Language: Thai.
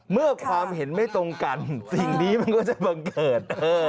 เมื่อความเห็นไม่ตรงกันสิ่งนี้มันก็จะบังเกิด